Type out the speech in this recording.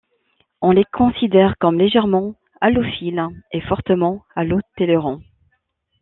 On les considèrent comme légèrement halophiles et fortement halotolérants.